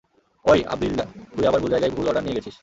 অই, আব্দুইল্লা, তুই আবার ভুল জায়গায় ভুল অর্ডার নিয়ে গেছিস।